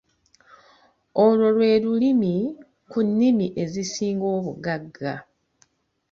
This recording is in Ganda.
Olwo lwe lumu ki nnimi ezisinga obugagga.